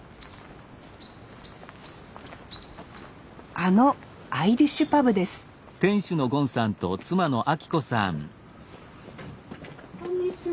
あのアイリッシュパブですこんにちは。